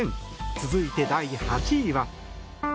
続いて、第８位は。